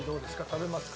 食べますか？